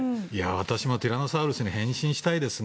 私もティラノサウルスに変身したいですね。